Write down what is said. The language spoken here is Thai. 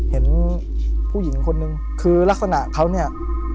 เห็นผู้หญิงคนนึงคือลักษณะเขาเนี่ย